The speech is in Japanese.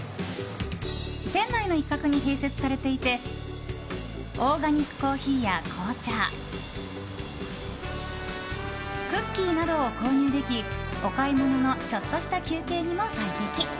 店内の一角に併設されていてオーガニックコーヒーや紅茶クッキーなどを購入できお買い物のちょっとした休憩にも最適。